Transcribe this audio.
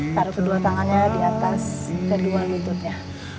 taruh kedua tangannya di atas kedua lututnya